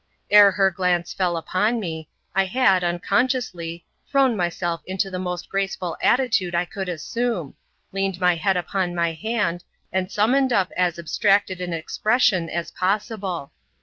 Ere her glance fell upon me, I had, unconsciously, thrown myself into the most graceful attitude I could assume, leaned my head upon my hand, and summoned up as abstracted an ex pression as possible.